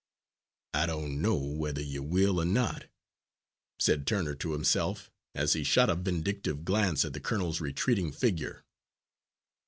"I don't know whether you will or not," said Turner to himself, as he shot a vindictive glance at the colonel's retreating figure.